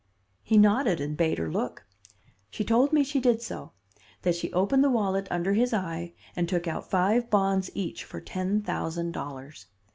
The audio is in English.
"He nodded and bade her look. She told me she did so; that she opened the wallet under his eye and took out five bonds each for ten thousand dollars.